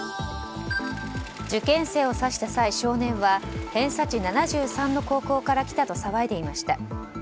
受験生を刺した際、少年は偏差値７３の高校から来たと騒いでいました。